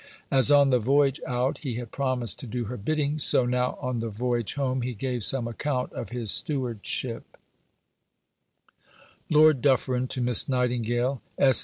As on the voyage out he had promised to do her bidding, so now on the voyage home he gave some account of his stewardship: (_Lord Dufferin to Miss Nightingale.